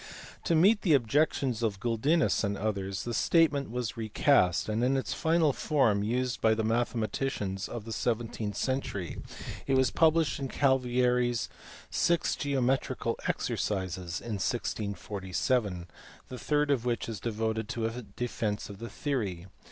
To meet the objections of Guldinus and others the statement was recast, and in its final form as used by the mathematicians of the seventeenth century it was published in Cavalieri s Exercitationes Geometricae Sex in 1647, the third of which is devoted to a defence of the theory.